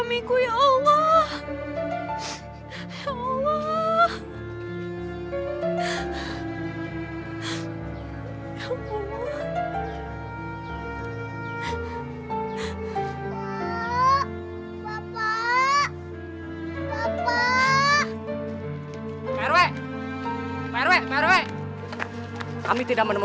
jualan kue bu